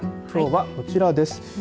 きょうは、こちらです。